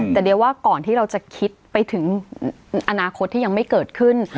แต่เดี๋ยวว่าก่อนที่เราจะคิดไปถึงอนาคตที่ยังไม่เกิดขึ้น